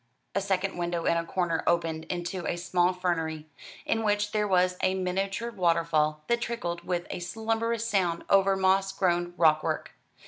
A second window in a corner opened into a small fernery, in which there was a miniature water fall that trickled with a slumberous sound over moss grown rockwork.